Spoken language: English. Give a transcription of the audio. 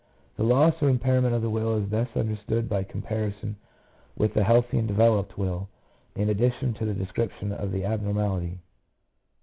The loss or impairment of the will is best understood by comparison with the healthy and developed will, in addition to the description of the abnormality.